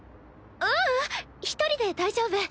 ううん１人で大丈夫。